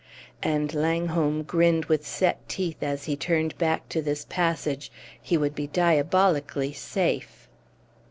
And Langholm grinned with set teeth as he turned back to this passage: he would be diabolically safe.